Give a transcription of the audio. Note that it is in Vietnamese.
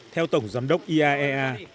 theo tổng giám đốc iaea